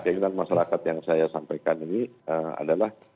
keinginan masyarakat yang saya sampaikan ini adalah